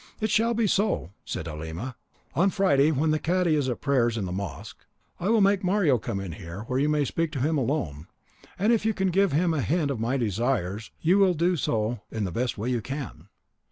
"It shall be so," said Halima. "On Friday, when the cadi is at prayers in the mosque, I will make Mario come in here where you may speak to him alone, and if you can give him a hint of my desires you will do so in the best way you can."